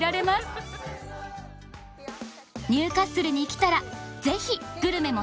ニューカッスルに来たらぜひグルメも楽しんでいってくださいね。